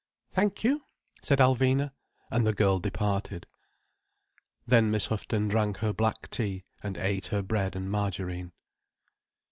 "Thank you," said Alvina, and the girl departed. Then Miss Houghton drank her black tea and ate her bread and margarine.